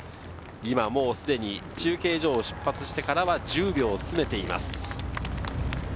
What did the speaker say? もうすでに中継所を出発してから１０秒詰めています。